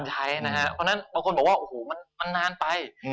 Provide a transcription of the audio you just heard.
เพราะฉะนั้นบางคนบอกว่าโอ้โหมันนานไป